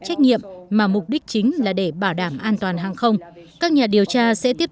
trách nhiệm mà mục đích chính là để bảo đảm an toàn hàng không các nhà điều tra sẽ tiếp